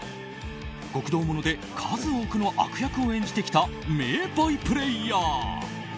極道もので数多くの悪役を演じてきた名バイプレーヤー。